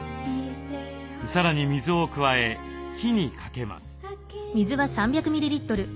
さらに水を加え火にかけます。